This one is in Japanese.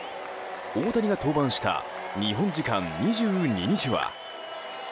大谷が登板した日本時間２２日は。